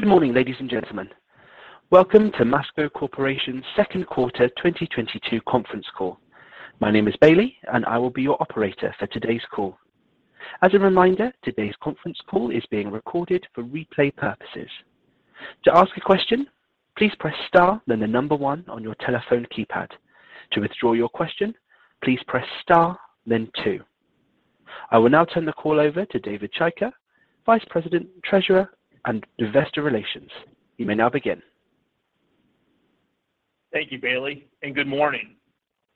Good morning, ladies and gentlemen. Welcome to Masco Corporation's Second Quarter 2022 Conference Call. My name is Bailey, and I will be your operator for today's call. As a reminder, today's conference call is being recorded for replay purposes. To ask a question, please press star then the number one on your telephone keypad. To withdraw your question, please press star then two. I will now turn the call over to David Chaika, Vice President, Treasurer, and Investor Relations. You may now begin. Thank you, Bailey, and good morning.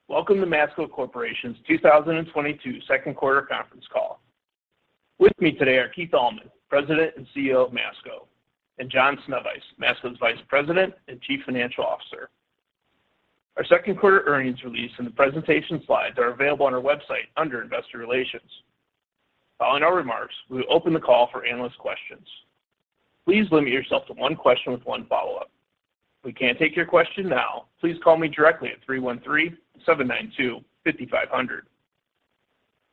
Welcome to Masco Corporation's 2022 Second Quarter Conference Call. With me today are Keith Allman, President and CEO of Masco, and John Sznewajs, Masco's Vice President and Chief Financial Officer. Our second quarter earnings release and the presentation slides are available on our website under Investor Relations. Following our remarks, we will open the call for analyst questions. Please limit yourself to one question with one follow-up. If we can't take your question now, please call me directly at 313-792-5500.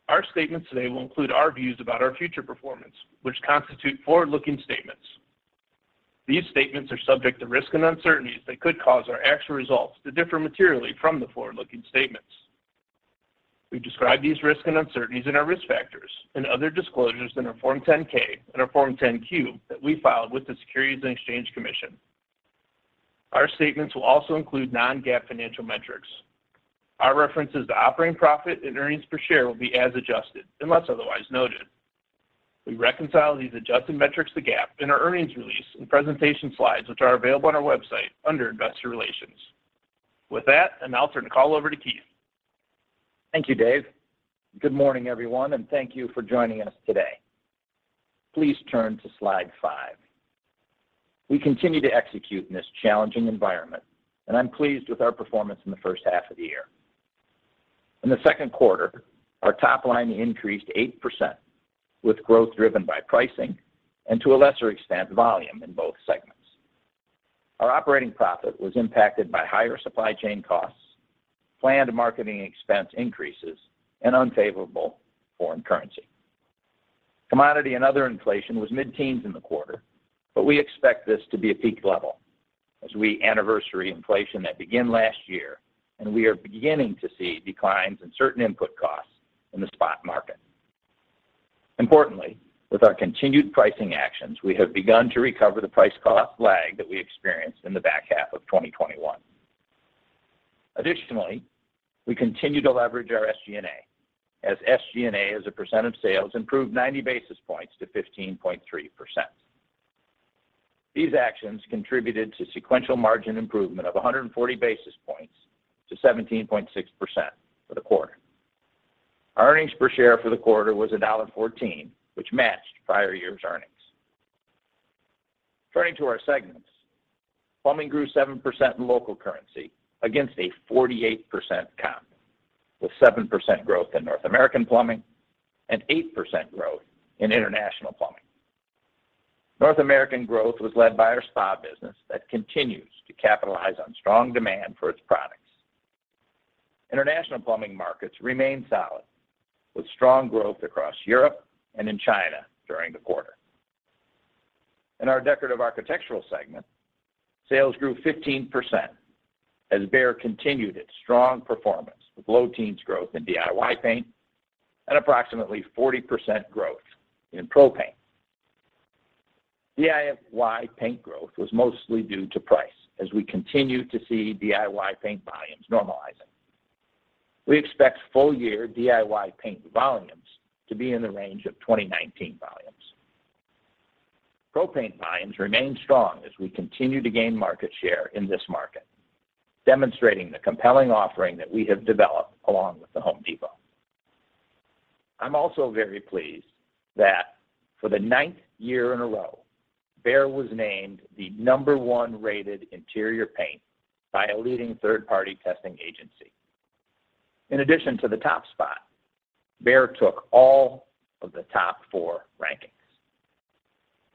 Our statements today will include our views about our future performance, which constitute forward-looking statements. These statements are subject to risks and uncertainties that could cause our actual results to differ materially from the forward-looking statements. We've described these risks and uncertainties in our risk factors and other disclosures in our Form 10-K and our Form 10-Q that we filed with the Securities and Exchange Commission. Our statements will also include non-GAAP financial metrics. Our references to operating profit and earnings per share will be as adjusted, unless otherwise noted. We reconcile these adjusted metrics to GAAP in our earnings release and presentation slides, which are available on our website under Investor Relations. With that, I'll now turn the call over to Keith. Thank you, Dave. Good morning, everyone, and thank you for joining us today. Please turn to slide five. We continue to execute in this challenging environment, and I'm pleased with our performance in the first half of the year. In the second quarter, our top line increased 8%, with growth driven by pricing and to a lesser extent, volume in both segments. Our operating profit was impacted by higher supply chain costs, planned marketing expense increases, and unfavorable foreign currency. Commodity and other inflation was mid-teens in the quarter, but we expect this to be a peak level as we anniversary inflation that began last year, and we are beginning to see declines in certain input costs in the spot market. Importantly, with our continued pricing actions, we have begun to recover the price cost lag that we experienced in the back half of 2021. Additionally, we continue to leverage our SG&A, as SG&A as a percent of sales improved 90-basis points to 15.3%. These actions contributed to sequential margin improvement of 140-basis points to 17.6% for the quarter. Our earnings per share for the quarter was $1.14, which matched prior year's earnings. Turning to our segments. Plumbing grew 7% in local currency against a 48% comp, with 7% growth in North American plumbing and 8% growth in international plumbing. North American growth was led by our spa business that continues to capitalize on strong demand for its products. International plumbing markets remain solid, with strong growth across Europe and in China during the quarter. In our decorative architectural segment, sales grew 15% as Behr continued its strong performance with low teens growth in DIY paint and approximately 40% growth in pro paint. DIY paint growth was mostly due to price as we continue to see DIY paint volumes normalizing. We expect full year DIY paint volumes to be in the range of 2019 volumes. Pro paint volumes remain strong as we continue to gain market share in this market, demonstrating the compelling offering that we have developed along with The Home Depot. I'm also very pleased that for the ninth year in a row, Behr was named the number one rated interior paint by a leading third-party testing agency. In addition to the top spot, Behr took all of the top four rankings.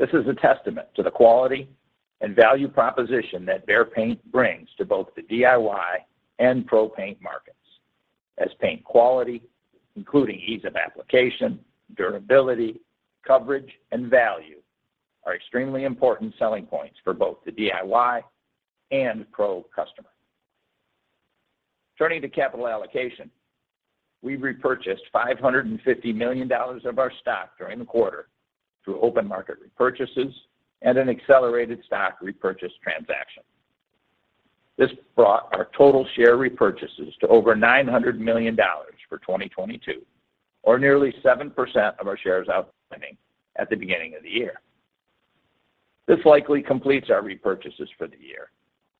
This is a testament to the quality and value proposition that Behr Paint brings to both the DIY and pro paint markets as paint quality, including ease of application, durability, coverage, and value are extremely important selling points for both the DIY and pro customer. Turning to capital allocation, we repurchased $550 million of our stock during the quarter through open market repurchases and an accelerated stock repurchase transaction. This brought our total share repurchases to over $900 million for 2022 or nearly 7% of our shares outstanding at the beginning of the year. This likely completes our repurchases for the year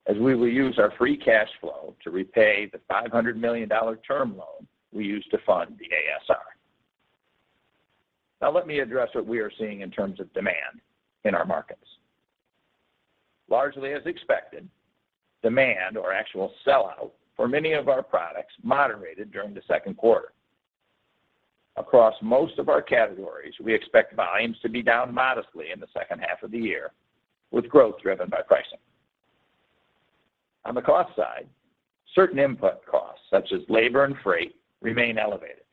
as we will use our free cash flow to repay the $500 million term loan we used to fund the ASR. Now let me address what we are seeing in terms of demand in our markets. Largely as expected, demand or actual sell out for many of our products moderated during the second quarter. Across most of our categories, we expect volumes to be down modestly in the second half of the year with growth driven by pricing. On the cost side, certain input costs such as labor and freight remain elevated.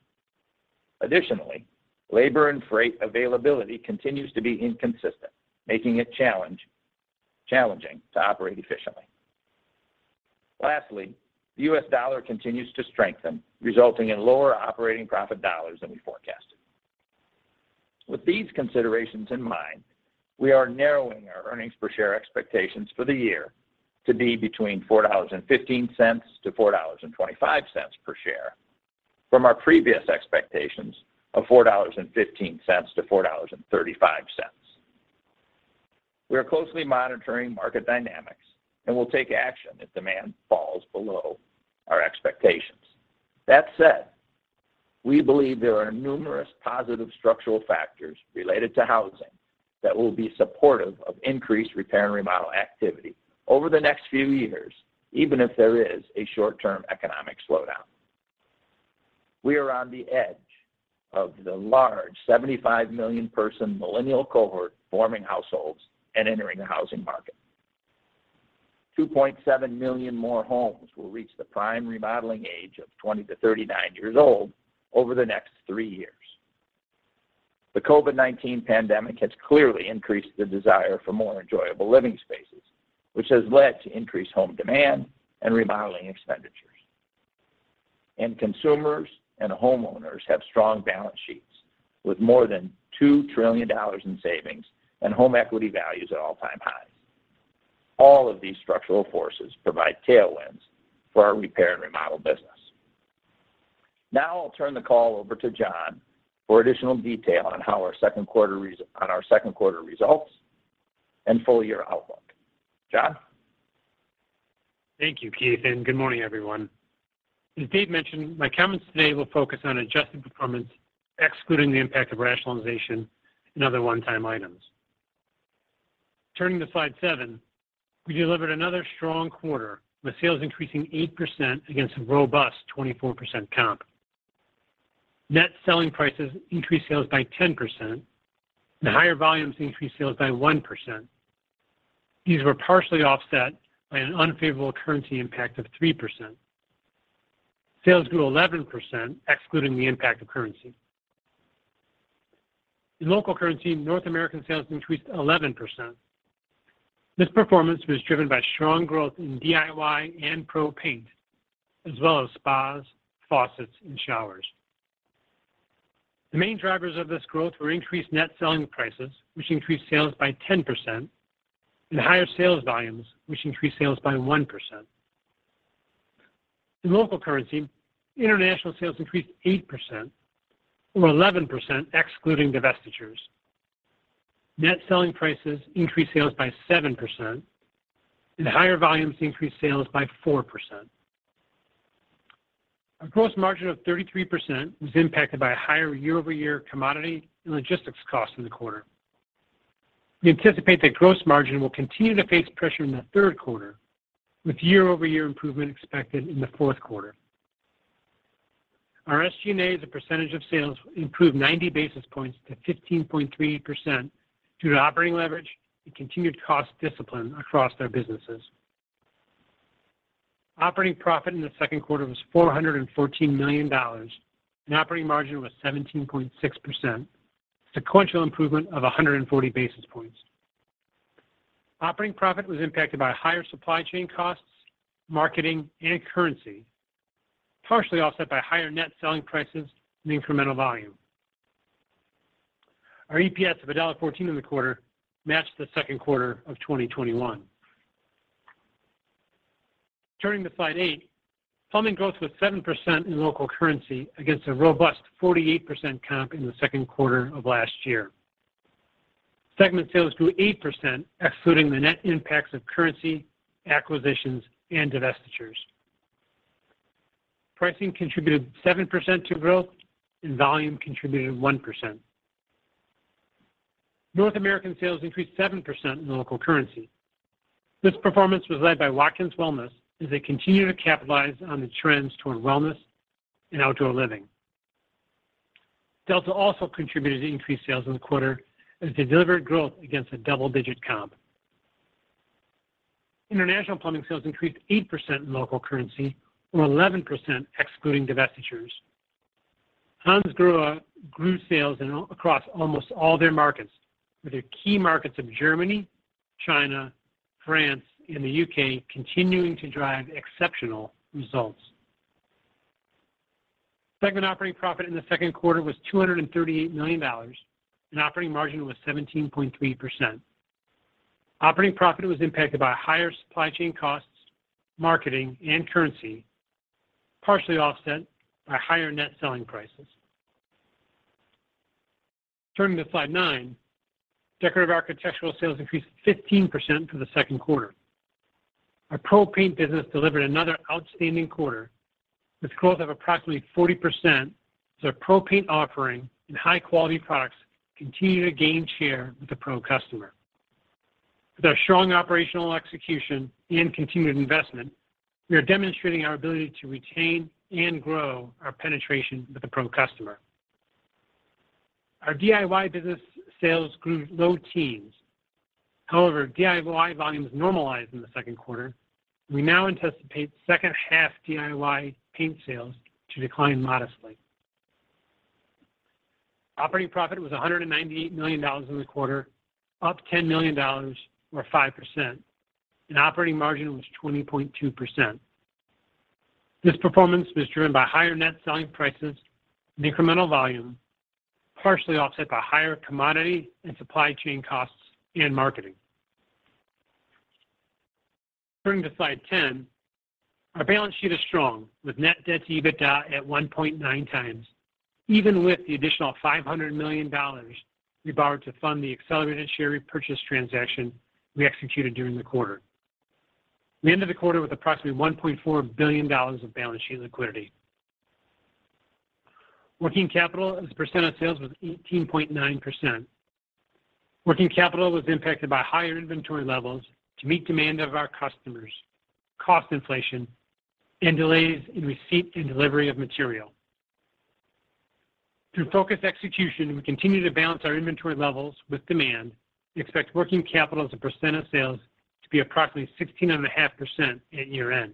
Additionally, labor and freight availability continues to be inconsistent, making it challenging to operate efficiently. Lastly, the US dollar continues to strengthen, resulting in lower operating profit dollars than we forecasted. With these considerations in mind, we are narrowing our earnings per share expectations for the year to be between $4.15 and $4.25 per share from our previous expectations of $4.15 to 4.35. We are closely monitoring market dynamics and will take action if demand falls below our expectations. That said, we believe there are numerous positive structural factors related to housing that will be supportive of increased repair and remodel activity over the next few years, even if there is a short-term economic slowdown. We are on the edge of the large 75-million-person millennial cohort forming households and entering the housing market. 2.7 million more homes will reach the prime remodeling age of 20 to 39 years old over the next three years. The COVID-19 pandemic has clearly increased the desire for more enjoyable living spaces, which has led to increased home demand and remodeling expenditures. Consumers and homeowners have strong balance sheets with more than $2 trillion in savings and home equity values at all-time highs. All of these structural forces provide tailwinds for our repair and remodel business. Now I'll turn the call over to John for additional detail on how our second quarter results and full year outlook. John? Thank you, Keith, and good morning, everyone. As Dave mentioned, my comments today will focus on adjusted performance, excluding the impact of rationalization and other one-time items. Turning to slide seven, we delivered another strong quarter, with sales increasing 8% against a robust 24% comp. Net selling prices increased sales by 10%, and higher volumes increased sales by 1%. These were partially offset by an unfavorable currency impact of 3%. Sales grew 11%, excluding the impact of currency. In local currency, North American sales increased 11%. This performance was driven by strong growth in DIY and pro paint, as well as spas, faucets and showers. The main drivers of this growth were increased net selling prices, which increased sales by 10%, and higher sales volumes, which increased sales by 1%. In local currency, international sales increased 8% or 11% excluding divestitures. Net selling prices increased sales by 7% and higher volumes increased sales by 4%. Our gross margin of 33% was impacted by higher year-over-year commodity and logistics costs in the quarter. We anticipate that gross margin will continue to face pressure in the third quarter, with year-over-year improvement expected in the fourth quarter. Our SG&A as a percentage of sales improved 90-basis points to 15.3% due to operating leverage and continued cost discipline across our businesses. Operating profit in the second quarter was $414 million, and operating margin was 17.6%, sequential improvement of 140-basis points. Operating profit was impacted by higher supply chain costs, marketing and currency, partially offset by higher net selling prices and incremental volume. Our EPS of $1.14 in the quarter matched the second quarter of 2021. Turning to slide eight, plumbing growth was 7% in local currency against a robust 48% comp in the second quarter of last year. Segment sales grew 8%, excluding the net impacts of currency, acquisitions and divestitures. Pricing contributed 7% to growth, and volume contributed 1%. North American sales increased 7% in local currency. This performance was led by Watkins Wellness as they continue to capitalize on the trends toward wellness and outdoor living. Delta also contributed to increased sales in the quarter as they delivered growth against a double-digit comp. International plumbing sales increased 8% in local currency or 11% excluding divestitures. Hansgrohe grew sales across almost all their markets, with their key markets of Germany, China, France, and the UK continuing to drive exceptional results. Segment operating profit in the second quarter was $238 million, and operating margin was 17.3%. Operating profit was impacted by higher supply chain costs, marketing, and currency, partially offset by higher net selling prices. Turning to slide nine, decorative architectural sales increased 15% for the second quarter. Our pro paint business delivered another outstanding quarter with growth of approximately 40% as our pro paint offering and high quality products continue to gain share with the pro customer. With our strong operational execution and continued investment, we are demonstrating our ability to retain and grow our penetration with the pro customer. Our DIY business sales grew low teens. However, DIY volumes normalized in the second quarter. We now anticipate second half DIY paint sales to decline modestly. Operating profit was $198 million in the quarter, up $10 million or 5%, and operating margin was 20.2%. This performance was driven by higher net selling prices and incremental volume, partially offset by higher commodity and supply chain costs and marketing. Turning to slide 10. Our balance sheet is strong with net debt to EBITDA at 1.9x, even with the additional $500 million we borrowed to fund the accelerated share repurchase transaction we executed during the quarter. We ended the quarter with approximately $1.4 billion of balance sheet liquidity. Working capital as a percent of sales was 18.9%. Working capital was impacted by higher inventory levels to meet demand of our customers, cost inflation, and delays in receipt and delivery of material. Through focused execution, we continue to balance our inventory levels with demand. We expect working capital as a percent of sales to be approximately 16.5% at year-end.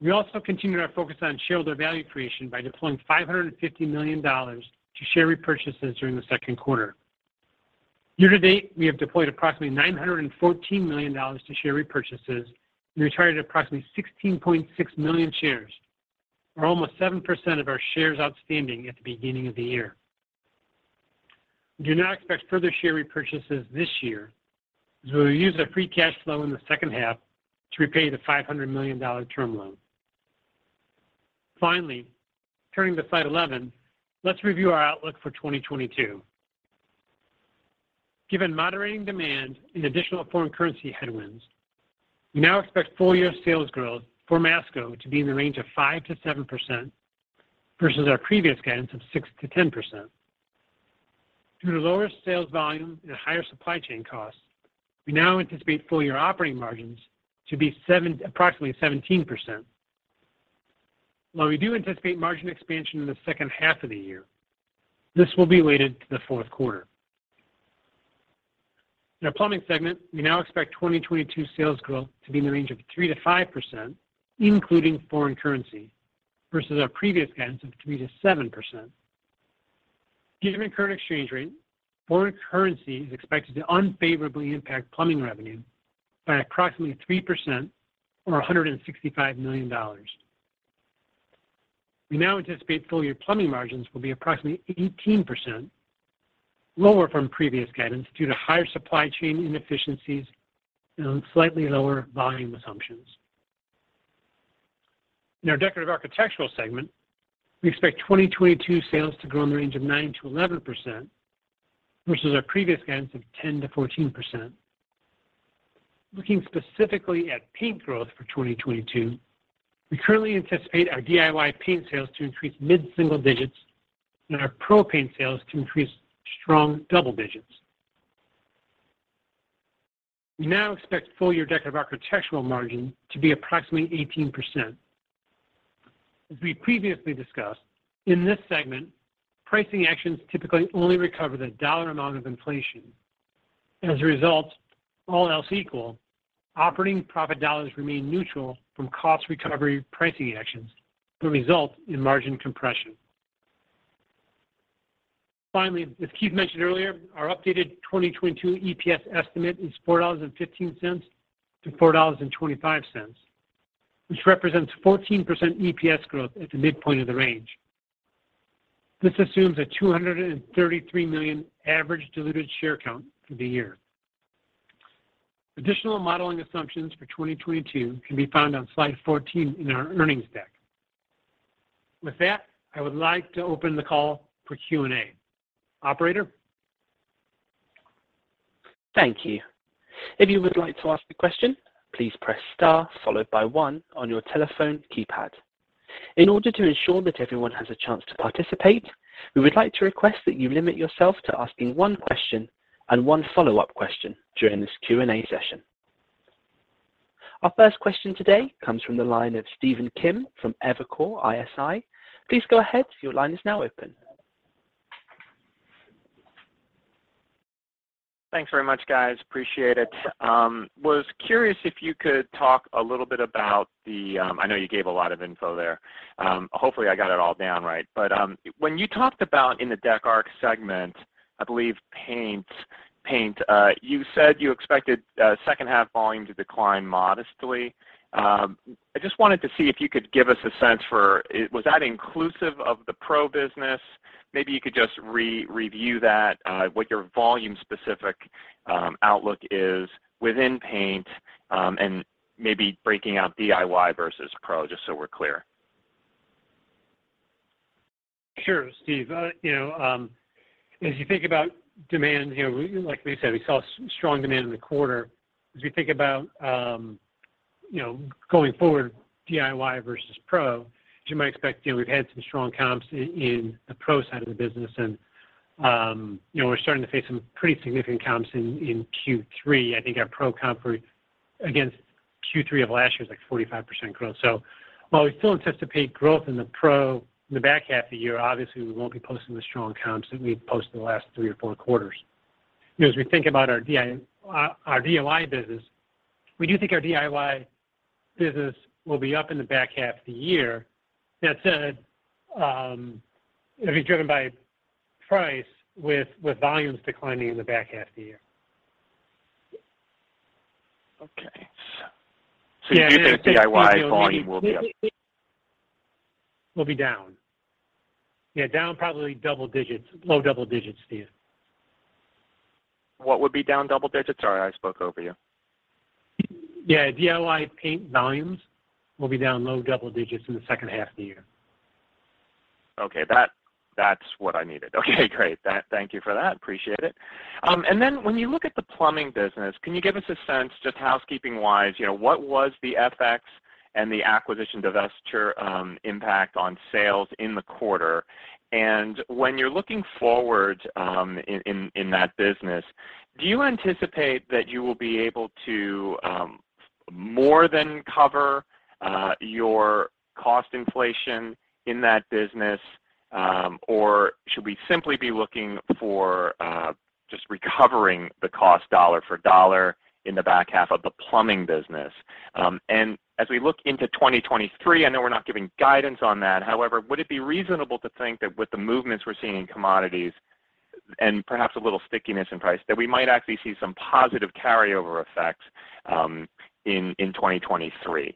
We also continued our focus on shareholder value creation by deploying $550 million to share repurchases during the second quarter. Year to date, we have deployed approximately $914 million to share repurchases and retired approximately 16.6 million shares, or almost 7% of our shares outstanding at the beginning of the year. We do not expect further share repurchases this year, as we will use our free cash flow in the second half to repay the $500 million term loan. Finally, turning to slide 11, let's review our outlook for 2022. Given moderating demand and additional foreign currency headwinds, we now expect full year sales growth for Masco to be in the range of 5% to 7% versus our previous guidance of 6% to 10%. Due to lower sales volume and higher supply chain costs, we now anticipate full year operating margins to be approximately 17%. While we do anticipate margin expansion in the second half of the year, this will be related to the fourth quarter. In our plumbing segment, we now expect 2022 sales growth to be in the range of 3% to 5%, including foreign currency, versus our previous guidance of 3% to 7%. Due to the current exchange rate, foreign currency is expected to unfavorably impact plumbing revenue by approximately 3% or $165 million. We now anticipate full year plumbing margins will be approximately 18%, lower from previous guidance due to higher supply chain inefficiencies and slightly lower volume assumptions. In our decorative architectural segment, we expect 2022 sales to grow in the range of 9% to11% versus our previous guidance of 10% to14%. Looking specifically at paint growth for 2022, we currently anticipate our DIY paint sales to increase mid-single digits and our pro paint sales to increase strong double digits. We now expect full year decorative architectural margin to be approximately 18%. As we previously discussed, in this segment, pricing actions typically only recover the dollar amount of inflation. As a result, all else equal, operating profit dollars remain neutral from cost recovery pricing actions but result in margin compression. Finally, as Keith mentioned earlier, our updated 2022 EPS estimate is $4.15 to 4.25, which represents 14% EPS growth at the midpoint of the range. This assumes a 233 million average diluted share count for the year. Additional modeling assumptions for 2022 can be found on slide 14 in our earnings deck. With that, I would like to open the call for Q&A. Operator? Thank you. If you would like to ask a question, please press star followed by one on your telephone keypad. In order to ensure that everyone has a chance to participate, we would like to request that you limit yourself to asking one question and one follow-up question during this Q&A session. Our first question today comes from the line of Stephen Kim from Evercore ISI. Please go ahead. Your line is now open. Thanks very much, guys. Appreciate it. Was curious if you could talk a little bit about the, I know you gave a lot of info there. Hopefully, I got it all down right. When you talked about in the Dec Arch segment, I believe paint, you said you expected second half volume to decline modestly. I just wanted to see if you could give us a sense for was that inclusive of the pro-business. Maybe you could just re-review that, what your volume specific outlook is within paint, and maybe breaking out DIY versus pro, just so we're clear. Sure, Steven. You know, as you think about demand, you know, like we said, we saw strong demand in the quarter. As we think about, you know, going forward, DIY versus pro, as you might expect, you know, we've had some strong comps in the pro side of the business. You know, we're starting to face some pretty significant comps in third quarter. I think our pro comp against third quarter of last year is like 45% growth. While we still anticipate growth in the pro in the back half of the year, obviously, we won't be posting the strong gains that we've posted the last three or four quarters. You know, as we think about our DIY business, we do think our DIY business will be up in the back half of the year. That said, it'll be driven by price with volumes declining in the back half of the year. Okay... You do think DIY volume will be up? Will be down. Yeah, down probably double digits. Low double digits, Steve. What would be down double digits? Sorry, I spoke over you. Yeah, DIY paint volumes will be down low double digits in the second half of the year. Okay. That's what I needed. Okay, great. Thank you for that. Appreciate it. When you look at the plumbing business, can you give us a sense, just housekeeping-wise, you know, what was the FX and the acquisitions and divestitures impact on sales in the quarter? When you're looking forward, in that business, do you anticipate that you will be able to more than cover your cost inflation in that business, or should we simply be looking for just recovering the cost dollar for dollar in the back half of the plumbing business? As we look into 2023, I know we're not giving guidance on that. However, would it be reasonable to think that with the movements we're seeing in commodities and perhaps a little stickiness in price, that we might actually see some positive carryover effect in 2023?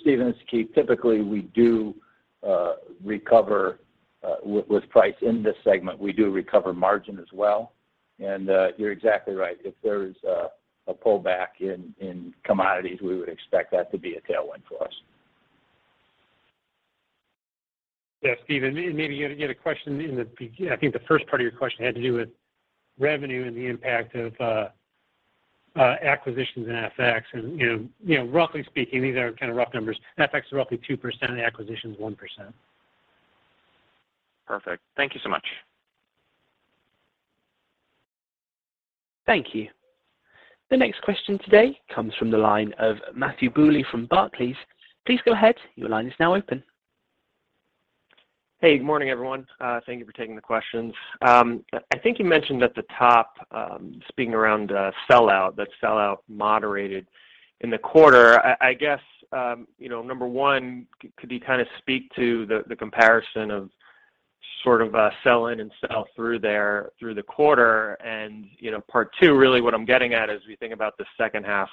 Steve, this is Keith. Typically, we do recover with price in this segment. We do recover margin as well. You're exactly right. If there is a pullback in commodities, we would expect that to be a tailwind for us. Yeah. Steve, and maybe you had a question in the beginning. I think the first part of your question had to do with revenue and the impact of acquisitions and FX. You know, roughly speaking, these are kind of rough numbers. FX is roughly 2% and the acquisition is 1%. Perfect. Thank you so much. Thank you. The next question today comes from the line of Matthew Bouley from Barclays. Please go ahead. Your line is now open. Hey, good morning, everyone. Thank you for taking the questions. I think you mentioned at the top, speaking around sellout, that sellout moderated in the quarter. I guess, you know, number one, could you kind of speak to the comparison of sort of sell in and sell through there through the quarter? You know, part two, really what I'm getting at as we think about the second half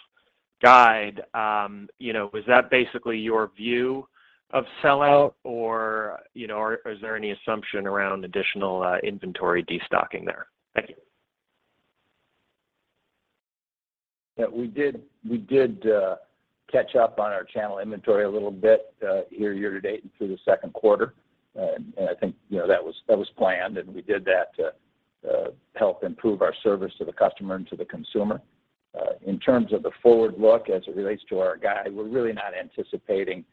guide, you know, was that basically your view of sellout or, you know, or is there any assumption around additional inventory destocking there? Thank you. Yeah. We did catch up on our channel inventory a little bit year to date and through the second quarter. I think, you know, that was planned, and we did that to help improve our service to the customer and to the consumer. In terms of the forward look as it relates to our guide, we're really not anticipating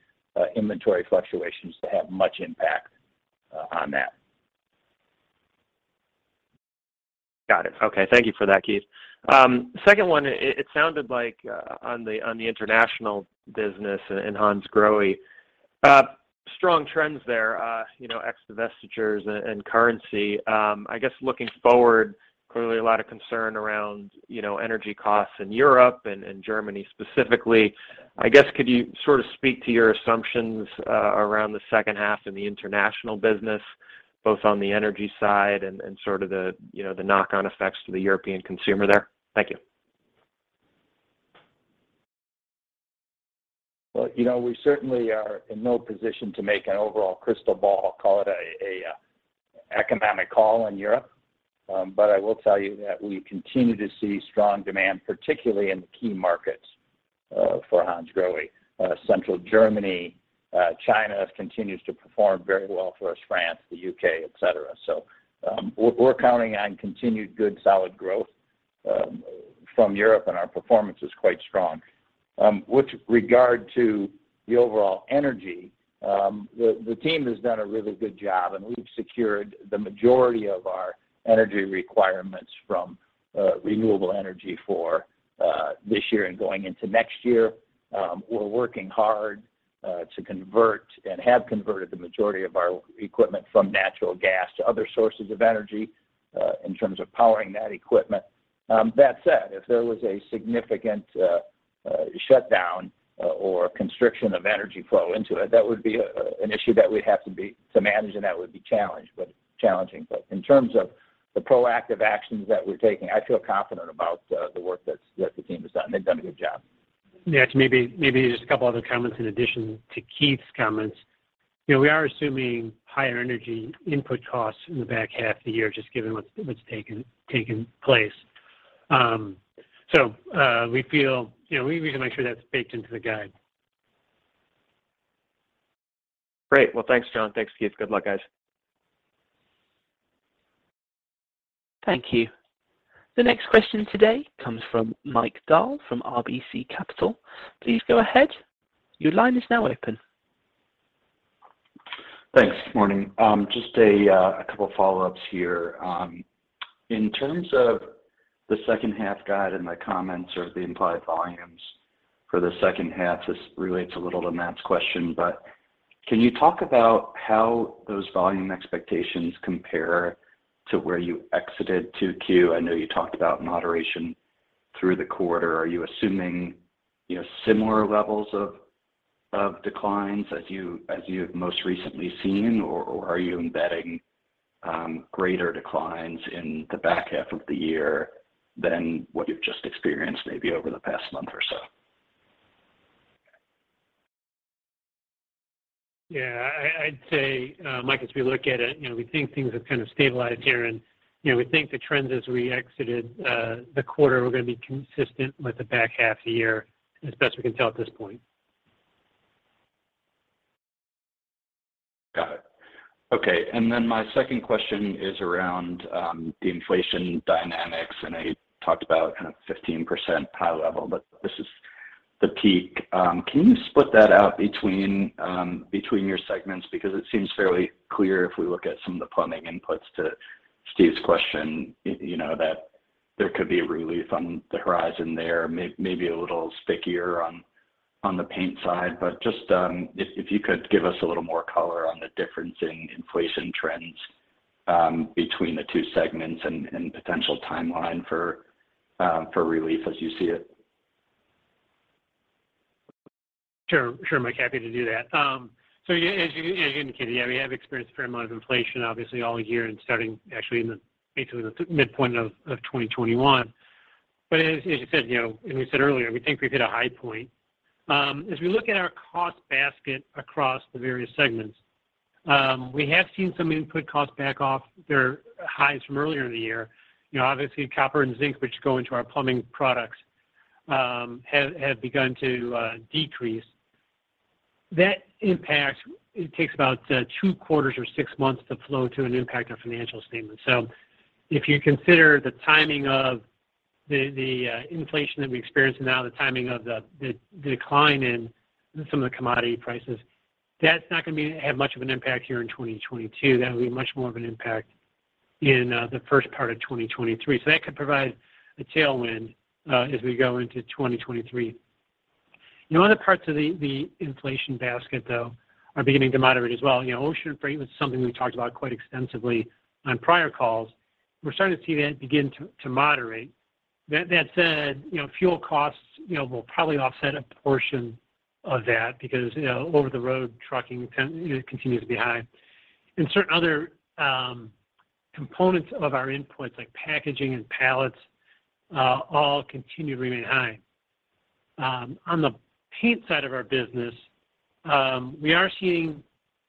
inventory fluctuations to have much impact on that. Got it. Okay. Thank you for that, Keith. Second one. It sounded like on the international business in Hansgrohe, strong trends there, you know, ex divestitures and currency. I guess looking forward, clearly a lot of concern around, you know, energy costs in Europe and Germany specifically. I guess could you sort of speak to your assumptions around the second half in the international business, both on the energy side and sort of the knock-on effects to the European consumer there? Thank you. Well, you know, we certainly are in no position to make an overall crystal ball call it an economic call in Europe. I will tell you that we continue to see strong demand, particularly in the key markets, for Hansgrohe. Central Germany, China continues to perform very well for us, France, the UK, et cetera. We're counting on continued good, solid growth from Europe, and our performance is quite strong. With regard to the overall energy, the team has done a really good job, and we've secured the majority of our energy requirements from renewable energy for this year and going into next year. We're working hard to convert and have converted the majority of our equipment from natural gas to other sources of energy in terms of powering that equipment. That said, if there was a significant shutdown or constriction of energy flow into it, that would be an issue that we'd have to manage, and that would be challenging. In terms of the proactive actions that we're taking, I feel confident about the work that the team has done. They've done a good job. Yeah. To maybe just a couple other comments in addition to Keith's comments. You know, we are assuming higher energy input costs in the back half of the year, just given what's taken place. We feel, you know, we need to make sure that's baked into the guide. Great. Well, thanks, John. Thanks, Keith. Good luck, guys. Thank you. The next question today comes from Mike Dahl from RBC Capital. Please go ahead. Your line is now open. Thanks. Morning. Just a couple follow-ups here. In terms of the second half guide and the comments or the implied volumes for the second half, this relates a little to Matt's question, but can you talk about how those volume expectations compare to where you exited second quarter? I know you talked about moderation through the quarter. Are you assuming, you know, similar levels of declines as you have most recently seen, or are you embedding greater declines in the back half of the year than what you've just experienced maybe over the past month or so? Yeah. I'd say, Mike, as we look at it, you know, we think things have kind of stabilized here. You know, we think the trends as we exited the quarter were gonna be consistent with the back half of the year as best we can tell at this point. Got it. Okay. Then my second question is around the inflation dynamics. I talked about kind of 15% high level, but this is the peak. Can you split that out between your segments? Because it seems fairly clear if we look at some of the plumbing inputs to Steve's question, you know, that there could be a relief on the horizon there. Maybe a little stickier on the paint side, but if you could give us a little more color on the difference in inflation trends between the two segments and potential timeline for relief as you see it. Sure, Mike. Happy to do that. So, as you indicated, we have experienced a fair amount of inflation, obviously all year and starting actually in basically the midpoint of 2021. As you said, you know, and we said earlier, we think we've hit a high point. As we look at our cost basket across the various segments, we have seen some input costs back off their highs from earlier in the year. You know, obviously, copper and zinc, which go into our plumbing products, have begun to decrease. That impact, it takes about two quarters or six months to flow to an impact on financial statement. If you consider the timing of the inflation that we're experiencing now, the timing of the decline in some of the commodity prices, that's not gonna have much of an impact here in 2022. That'll be much more of an impact in the first part of 2023. That could provide a tailwind as we go into 2023. You know, other parts of the inflation basket though are beginning to moderate as well. You know, ocean freight was something we talked about quite extensively on prior calls. We're starting to see that begin to moderate. That said, you know, fuel costs, you know, will probably offset a portion of that because, you know, over-the-road trucking trends continue to be high. Certain other components of our inputs like packaging and pallets all continue to remain high. On the paint side of our business, we are seeing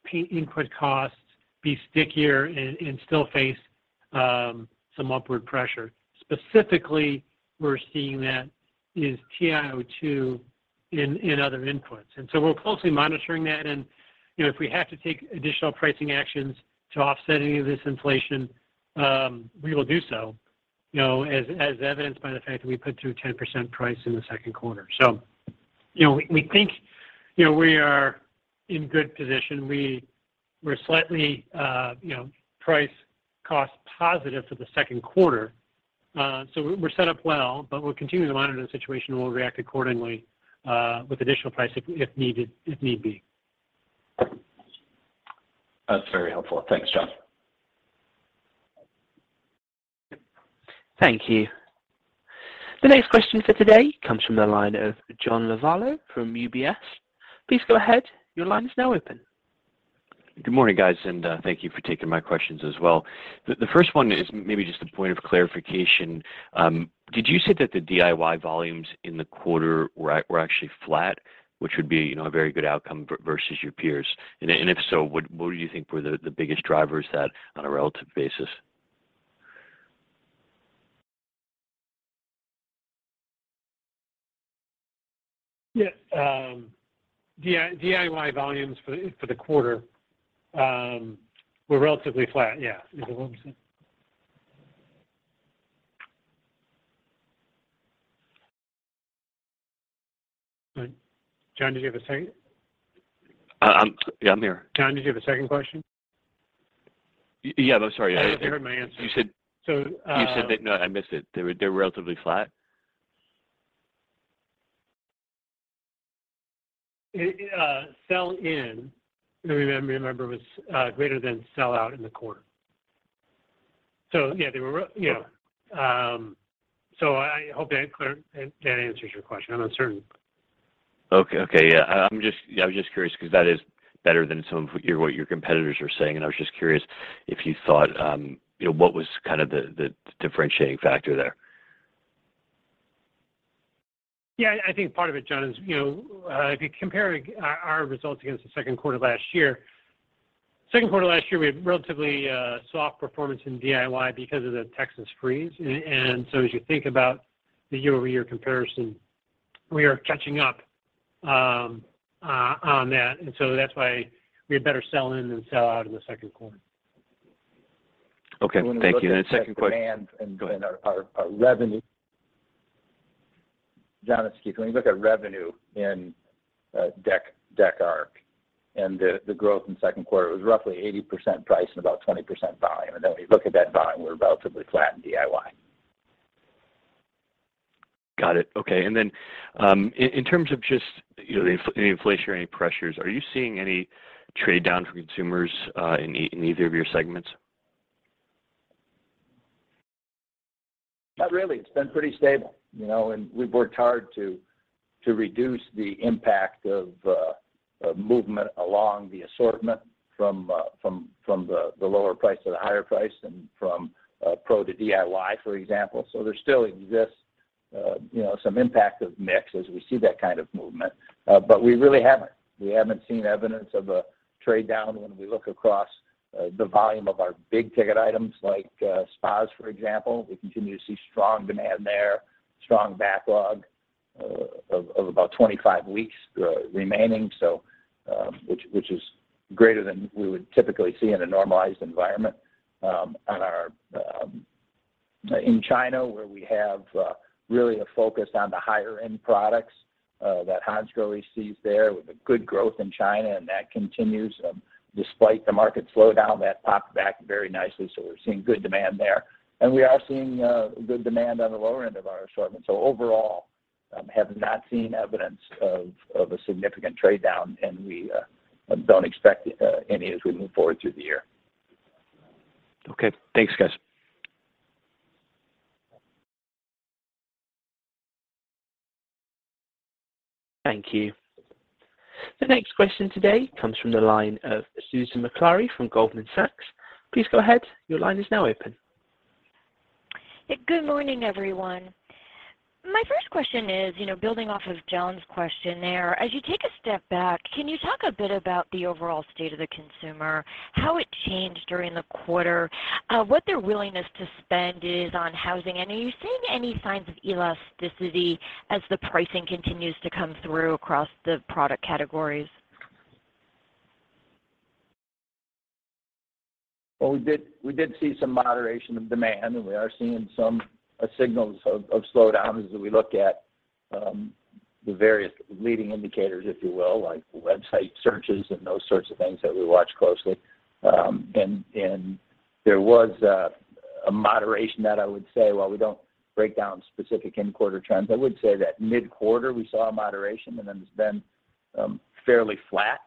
paint input costs be stickier and still face some upward pressure. Specifically, we're seeing that is TiO2 in other inputs. We're closely monitoring that. You know, if we have to take additional pricing actions to offset any of this inflation, we will do so, you know, as evidenced by the fact that we put through 10% price in the second quarter. You know, we think, you know, we are in good position. We're slightly, you know, price/cost positive for the second quarter. We're set up well, but we'll continue to monitor the situation and we'll react accordingly, with additional price if needed, if need be. That's very helpful. Thanks, John. Thank you. The next question for today comes from the line of John Lovallo from UBS. Please go ahead. Your line is now open. Good morning, guys, thank you for taking my questions as well. The first one is maybe just a point of clarification. Did you say that the DIY volumes in the quarter were actually flat, which would be, you know, a very good outcome versus your peers? If so, what do you think were the biggest drivers that on a relative basis? Yeah. DIY volumes for the quarter were relatively flat. Yeah. Is that what I'm saying? John, did you have a second? Yeah, I'm here. John, did you have a second question? Yeah. I'm sorry. I thought you heard my answer. You said... So, uh... No, I missed it. They were relatively flat? Sell in, if I remember, was greater than sell out in the quarter. Yeah, they were right. I hope that answers your question. I'm certain. Yeah, I'm just curious cause that is better than some of what your competitors are saying, and I was just curious if you thought, you know, what was kind of the differentiating factor there. Yeah. I think part of it, John, is, you know, if you compare our results against the second quarter last year, we had relatively soft performance in DIY because of the Texas freeze. As you think about the year-over-year comparison, we are catching up on that. That's why we had better sell in than sell out in the second quarter. Okay. Thank you. When we look at demand and our revenue. John, it's Keith. When you look at revenue in Dec Arch and the growth in second quarter, it was roughly 80% price and about 20% volume. Then when you look at that volume, we're relatively flat in DIY. Got it. Okay. In terms of just, you know, the inflationary pressures, are you seeing any trade down for consumers, in either of your segments? Not really. It's been pretty stable, you know, and we've worked hard to reduce the impact of movement along the assortment from the lower price to the higher price and from pro to DIY, for example. There still exists, you know, some impact of mix as we see that kind of movement. We really haven't seen evidence of a trade down when we look across the volume of our big ticket items like spas, for example. We continue to see strong demand there, strong backlog of about 25 weeks remaining. Which is greater than we would typically see in a normalized environment in China, where we have really a focus on the higher end products that Hansgrohe sees there with a good growth in China, and that continues. Despite the market slowdown, that popped back very nicely. We're seeing good demand there. We are seeing good demand on the lower end of our assortment. Overall, have not seen evidence of a significant trade down, and we don't expect any as we move forward through the year. Okay. Thanks, guys. Thank you. The next question today comes from the line of Susan Maklari from Goldman Sachs. Please go ahead. Your line is now open. Good morning, everyone. My first question is, you know, building off of John's question there. As you take a step back, can you talk a bit about the overall state of the consumer, how it changed during the quarter, what their willingness to spend is on housing? And are you seeing any signs of elasticity as the pricing continues to come through across the product categories? Well, we did see some moderation of demand, and we are seeing some signals of slowdown as we look at the various leading indicators, if you will, like website searches and those sorts of things that we watch closely. There was a moderation that I would say. While we don't break down specific end quarter trends, I would say that mid-quarter, we saw a moderation, and then it's been fairly flat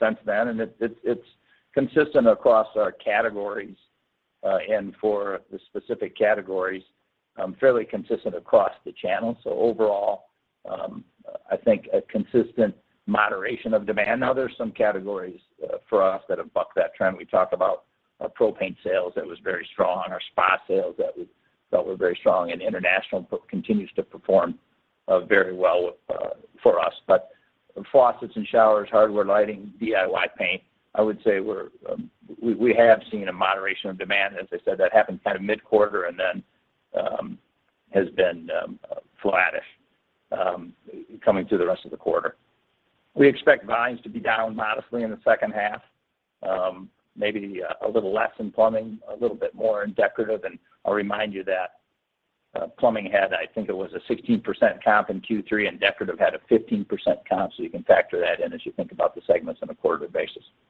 since then. It's consistent across our categories, and for the specific categories, fairly consistent across the channel. Overall, I think a consistent moderation of demand. Now there's some categories for us that have bucked that trend. We talked about our propane sales that was very strong, our spa sales that we felt were very strong, and international continues to perform very well for us. Faucets and showers, hardware, lighting, DIY paint, I would say we have seen a moderation of demand. As I said, that happened kind of mid-quarter, and then has been flattish coming through the rest of the quarter. We expect volumes to be down modestly in the second half, maybe a little less in plumbing, a little bit more in decorative. I'll remind you that plumbing had, I think it was a 16% comp in third quarter, and decorative had a 15% comp. You can factor that in as you think about the segments on a quarterly basis. Sue,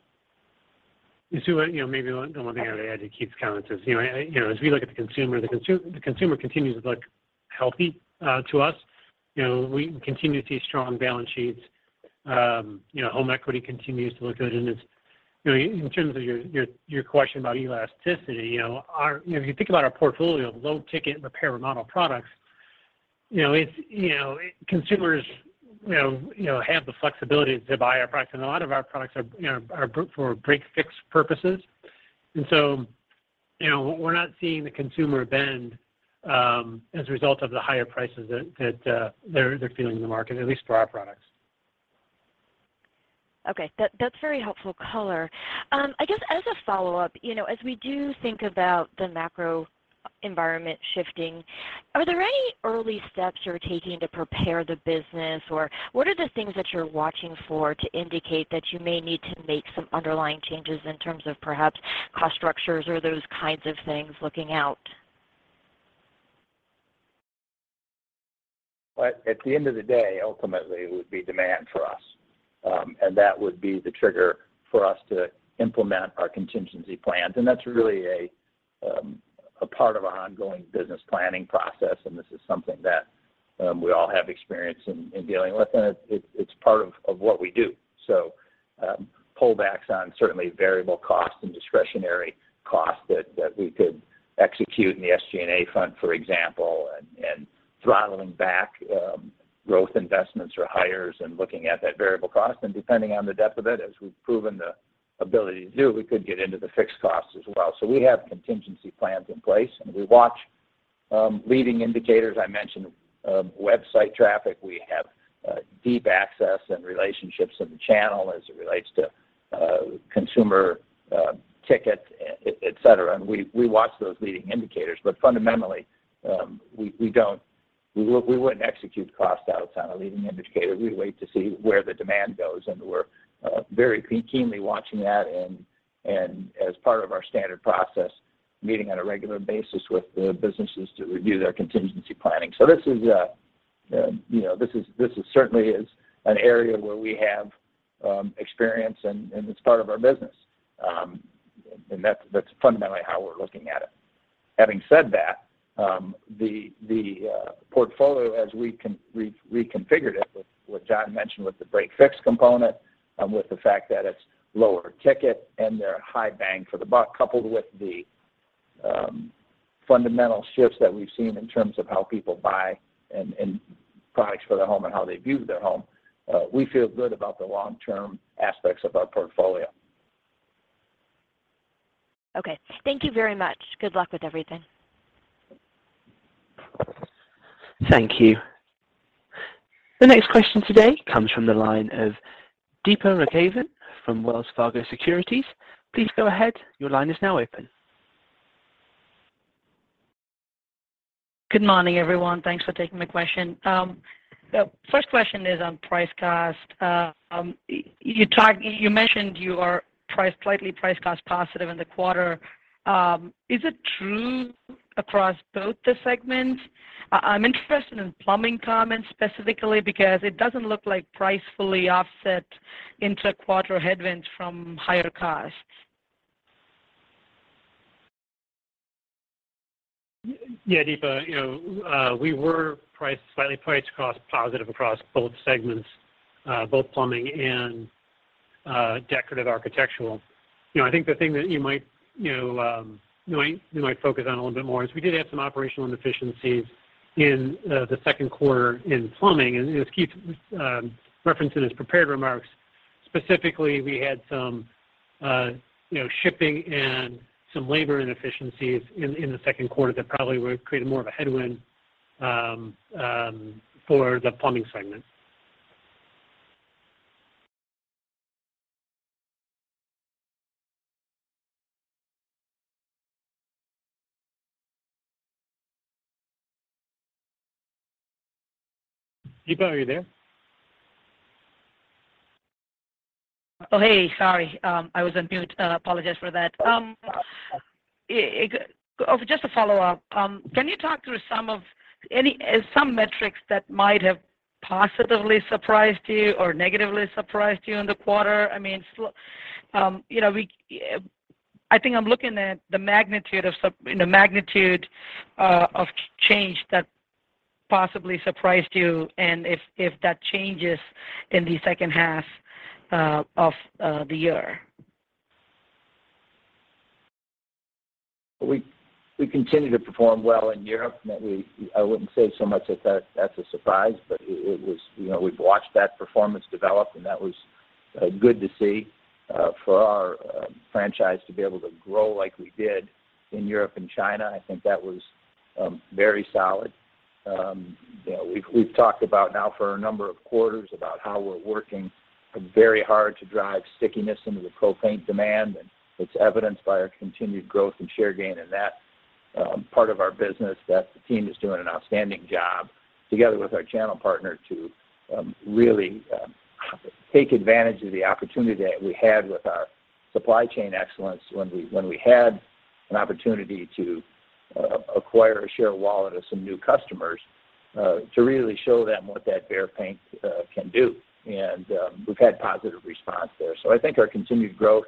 you know, maybe one thing I would add to Keith's comments is, you know, as we look at the consumer, the consumer continues to look healthy, to us. You know, we continue to see strong balance sheets. You know, home equity continues to look good. It's, you know, in terms of your question about elasticity, you know, if you think about our portfolio of low-ticket repair, remodel products, you know, consumers you know have the flexibility to buy our products. A lot of our products are, you know, for break fix purposes. We're not seeing the consumer bend as a result of the higher prices that they're feeling in the market, at least for our products. Okay. That's very helpful color. I guess as a follow-up, you know, as we do think about the macro environment shifting, are there any early steps you're taking to prepare the business? Or what are the things that you're watching for to indicate that you may need to make some underlying changes in terms of perhaps cost structures or those kinds of things looking out? Well, at the end of the day, ultimately, it would be demand for us. That would be the trigger for us to implement our contingency plans. That's really a part of our ongoing business planning process, and this is something that we all have experience in dealing with. It's part of what we do. Pullbacks on certainly variable costs and discretionary costs that we could execute in the SG&A function, for example, and throttling back growth investments or hires and looking at that variable cost. Depending on the depth of it, as we've proven the ability to do, we could get into the fixed costs as well. We have contingency plans in place, and we watch leading indicators. I mentioned website traffic. We have deep access and relationships in the channel as it relates to consumer tickets et cetera, and we watch those leading indicators. Fundamentally, we wouldn't execute cost outs on a leading indicator. We'd wait to see where the demand goes, and we're very keenly watching that and, as part of our standard process, meeting on a regular basis with the businesses to review their contingency planning. This is, you know, certainly an area where we have experience, and it's part of our business. That's fundamentally how we're looking at it. Having said that, the portfolio as we reconfigured it with what John mentioned with the break fix component and with the fact that it's lower ticket and they're high bang for the buck coupled with the fundamental shifts that we've seen in terms of how people buy and products for their home and how they view their home, we feel good about the long-term aspects of our portfolio. Okay. Thank you very much. Good luck with everything. Thank you. The next question today comes from the line of Deepa Raghavan from Wells Fargo Securities. Please go ahead. Your line is now open. Good morning, everyone. Thanks for taking my question. The first question is on price/cost. You mentioned you are slightly price/cost positive in the quarter. Is it true across both the segments? I'm interested in plumbing comments specifically because it doesn't look like price fully offset inter-quarter headwinds from higher costs. Yeah, Deepa, you know, we were price/cost slightly positive across both segments, both plumbing and decorative architectural. You know, I think the thing that you might focus on a little bit more is we did have some operational inefficiencies in the second quarter in plumbing. As Keith referenced in his prepared remarks, specifically, we had some you know shipping and some labor inefficiencies in the second quarter that probably would've created more of a headwind for the plumbing segment. Deepa, are you there? Oh, hey, sorry. I was on mute. Apologize for that. Just a follow-up. Can you talk through some metrics that might have positively surprised you or negatively surprised you in the quarter? I mean, you know, I think I'm looking at the magnitude of change that possibly surprised you and if that changes in the second half of the year. We continue to perform well in Europe. I wouldn't say so much that that's a surprise, but it was, you know, we've watched that performance develop, and that was good to see for our franchise to be able to grow like we did in Europe and China. I think that was very solid. You know, we've talked about now for a number of quarters about how we're working very hard to drive stickiness into the pro paint demand, and it's evidenced by our continued growth and share gain in that part of our business that the team is doing an outstanding job together with our channel partner to really take advantage of the opportunity that we had with our supply chain excellence when we had an opportunity to acquire a share of wallet of some new customers to really show them what that Behr Paint can do. We've had positive response there. I think our continued growth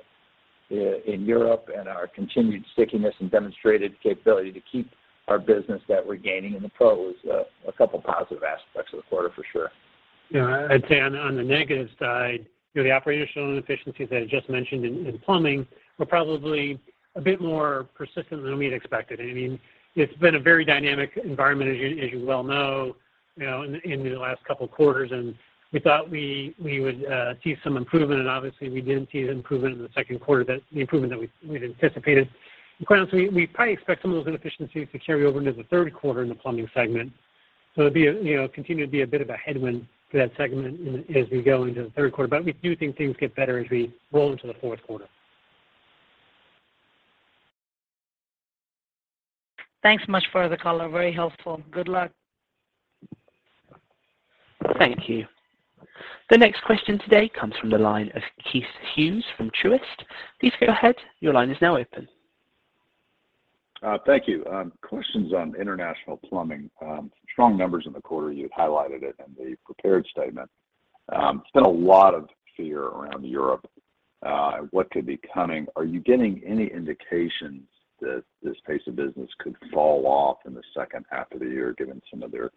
in Europe and our continued stickiness and demonstrated capability to keep our business that we're gaining in the pro was a couple positive aspects of the quarter for sure. Yeah. I'd say on the negative side, you know, the operational inefficiencies that I just mentioned in plumbing were probably a bit more persistent than we'd expected. I mean, it's been a very dynamic environment, as you well know, you know, in the last couple quarters, and we thought we would see some improvement, and obviously we didn't see the improvement in the second quarter that we'd anticipated. Quite honestly, we probably expect some of those inefficiencies to carry over into the third quarter in the plumbing segment. It'd be a, you know, continue to be a bit of a headwind for that segment as we go into the third quarter. We do think things get better as we roll into the fourth quarter. Thanks much for the color. Very helpful. Good luck. Thank you. The next question today comes from the line of Keith Hughes from Truist. Please go ahead. Your line is now open. Thank you. Questions on international plumbing. Strong numbers in the quarter. You had highlighted it in the prepared statement. There's been a lot of fear around Europe, what could be coming. Are you getting any indications that this pace of business could fall off in the second half of the year given some of their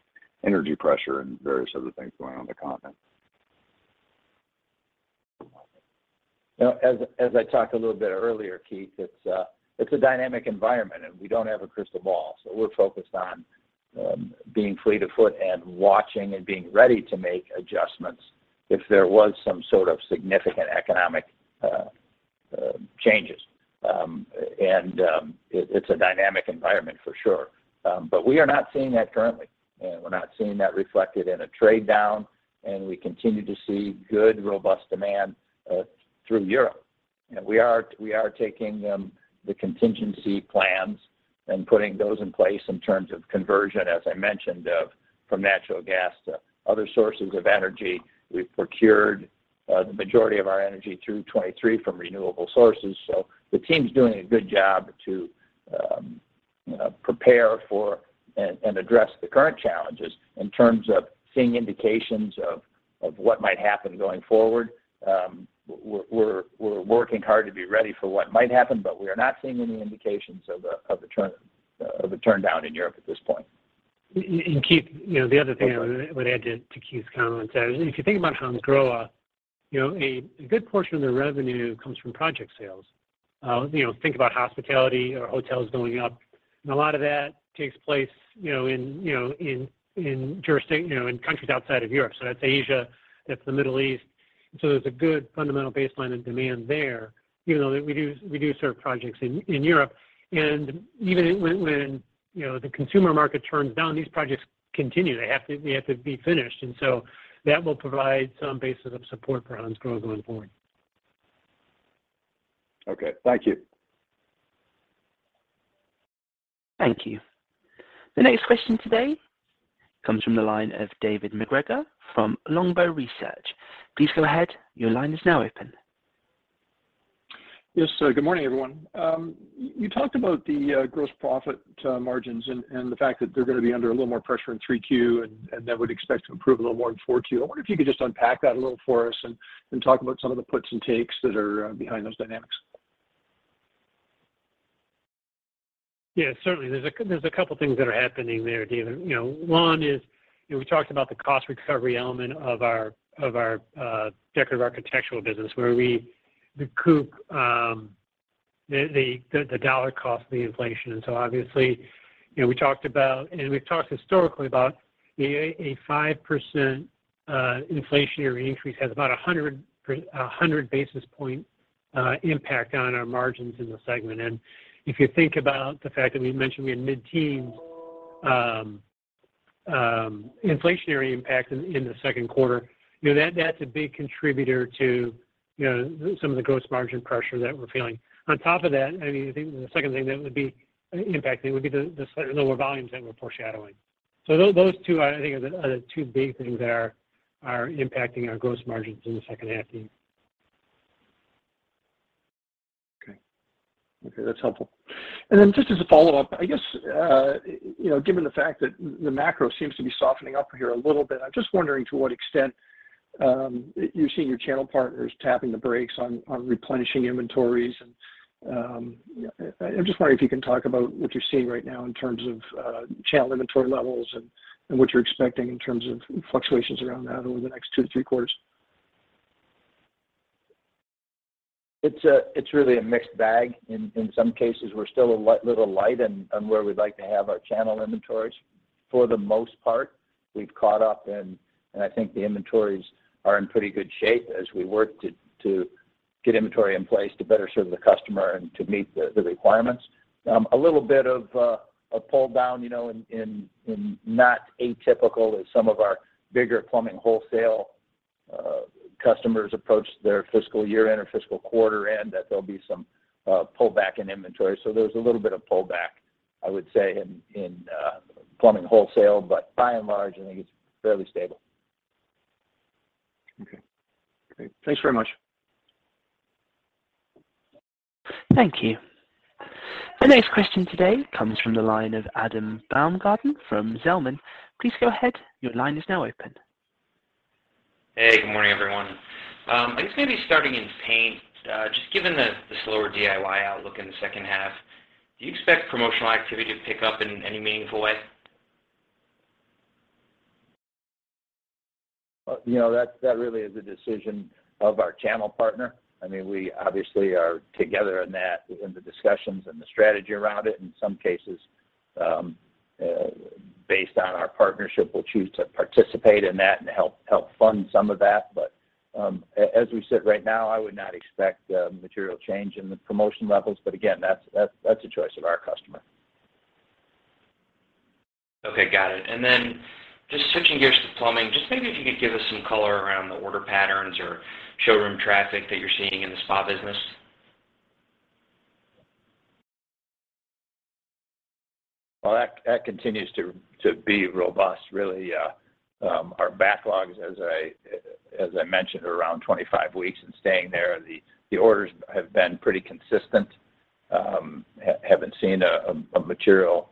energy pressure and various other things going on in the continent? You know, as I talked a little bit earlier, Keith, it's a dynamic environment, and we don't have a crystal ball. We're focused on being fleet of foot and watching and being ready to make adjustments if there was some sort of significant economic changes. It's a dynamic environment for sure. We're not seeing that currently. We're not seeing that reflected in a trade-down, and we continue to see good, robust demand through Europe. You know, we are taking the contingency plans and putting those in place in terms of conversion, as I mentioned, from natural gas to other sources of energy. We've procured the majority of our energy through 2023 from renewable sources. The team's doing a good job to, you know, prepare for and address the current challenges in terms of seeing indications of what might happen going forward. We're working hard to be ready for what might happen, but we are not seeing any indications of a downturn in Europe at this point. Keith, you know, the other thing I would add to Keith's comments. If you think about Hansgrohe, you know, a good portion of their revenue comes from project sales. You know, think about hospitality or hotels going up. A lot of that takes place, you know, in countries outside of Europe. That's Asia, that's the Middle East. There's a good fundamental baseline of demand there, even though we do serve projects in Europe. Even when you know the consumer market turns down, these projects continue. They have to be finished. That will provide some basis of support for Hansgrohe going forward. Okay. Thank you. Thank you. The next question today comes from the line of David MacGregor from Longbow Research. Please go ahead. Your line is now open. Yes. Good morning, everyone. You talked about the gross profit margins and the fact that they're gonna be under a little more pressure in third quarter, and then we'd expect to improve a little more in fourth quarter. I wonder if you could just unpack that a little for us and talk about some of the puts and takes that are behind those dynamics. Yeah, certainly. There's a couple things that are happening there, David. You know, one is, you know, we talked about the cost recovery element of our decorative architectural business, where we recoup the dollar cost of the inflation. Obviously, you know, we talked about, and we've talked historically about a 5% inflationary increase has about 100-basis points impact on our margins in the segment. If you think about the fact that we mentioned we had mid-teens inflationary impact in the second quarter, you know, that's a big contributor to, you know, some of the gross margin pressure that we're feeling. On top of that, I mean, I think the second thing that would be impacting would be the lower volumes that we're foreshadowing. Those two, I think, are the two big things that are impacting our gross margins in the second half, David. Okay. That's helpful. Just as a follow-up, I guess, you know, given the fact that the macro seems to be softening up here a little bit, I'm just wondering to what extent you're seeing your channel partners tapping the brakes on replenishing inventories. I'm just wondering if you can talk about what you're seeing right now in terms of channel inventory levels and what you're expecting in terms of fluctuations around that over the next two to three quarters. It's really a mixed bag. In some cases, we're still a little light on where we'd like to have our channel inventories. For the most part, we've caught up, and I think the inventories are in pretty good shape as we work to get inventory in place to better serve the customer and to meet the requirements. A little bit of a pull down, you know, not atypical as some of our bigger plumbing wholesale customers approach their fiscal year-end or fiscal quarter end, that there'll be some pull back in inventory. There's a little bit of pull back, I would say, in plumbing wholesale, but by and large, I think it's fairly stable. Okay. Great. Thanks very much. Thank you. The next question today comes from the line of Adam Baumgarten from Zelman. Please go ahead. Your line is now open. Hey. Good morning, everyone. I guess maybe starting in paint, just given the slower DIY outlook in the second half, do you expect promotional activity to pick up in any meaningful way? You know, that really is a decision of our channel partner. I mean, we obviously are together in that, in the discussions and the strategy around it. In some cases, based on our partnership, we'll choose to participate in that and help fund some of that. As we sit right now, I would not expect material change in the promotion levels. Again, that's a choice of our customer. Okay. Got it. Just switching gears to plumbing, just maybe if you could give us some color around the order patterns or showroom traffic that you're seeing in the spa business? Well, that continues to be robust really. Our backlogs, as I mentioned, are around 25 weeks and staying there. The orders have been pretty consistent. Haven't seen a material